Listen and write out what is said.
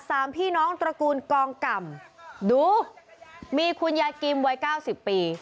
สามพี่น้องตระกูลกองกำดูมีคุณยายกิมวัยเก้าสิบปี